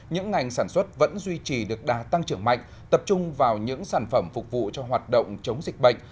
những ngành sản xuất vẫn duy trì được đa tăng trưởng mạnh tập trung vào những sản phẩm phục vụ cho hoạt động chống dịch bệnh